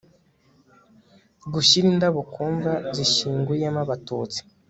gushyira indabo ku mva zishyinguyemo abatutsi